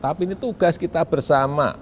tapi ini tugas kita bersama